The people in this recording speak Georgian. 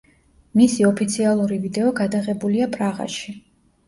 მისი ოფიციალური ვიდეო გადაღებულია პრაღაში.